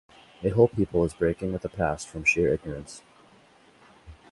A whole people is breaking with the past from sheer ignorance.